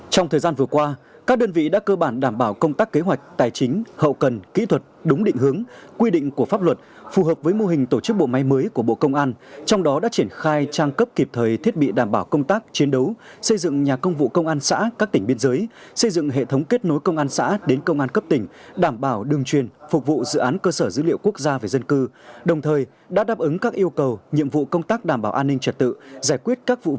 trong thời gian vừa qua các đơn vị đã cơ bản đảm bảo công tác kế hoạch tài chính hậu cần kỹ thuật đúng định hướng quy định của pháp luật phù hợp với mô hình tổ chức bộ máy mới của bộ công an trong đó đã triển khai trang cấp kịp thời thiết bị đảm bảo công tác chiến đấu xây dựng nhà công vụ công an xã các tỉnh biên giới xây dựng hệ thống kết nối công an xã đến công an cấp tỉnh đảm bảo đường chuyên phục vụ dự án cơ sở dữ liệu quốc gia về dân cư đồng thời đã đáp ứng các yêu cầu nhiệm vụ công tác